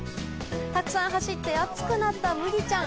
たくさん走って暑くなったむぎちゃん。